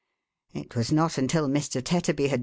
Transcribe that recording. It was not until Mr. Tetterby hat!